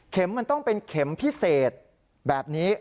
มันต้องเป็นเข็มพิเศษแบบนี้